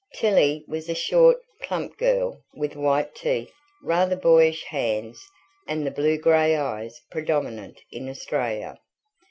Tilly was a short, plump girl, with white teeth, rather boyish hands, and the blue grey eyes predominant in Australia.